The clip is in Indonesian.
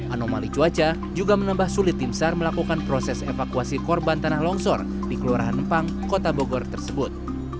anomali cuaca juga menambah sulit tim sar melakukan proses evakuasi korban tanah longsor di kelurahan nempang kota bogor tersebut